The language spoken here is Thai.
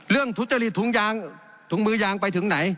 ทุจริตถุงยางถุงมือยางไปถึงไหน